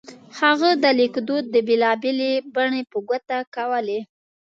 هغه د لیکدود بېلا بېلې بڼې په ګوته کولې.